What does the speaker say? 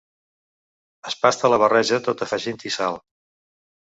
Es pasta la barreja tot afegint-hi sal.